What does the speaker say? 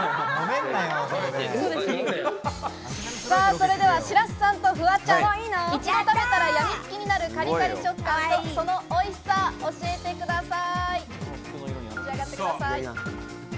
それでは白洲さんとフワちゃん、一度食べたらやみつきになるカリカリ食感、そのおいしさ教えてください。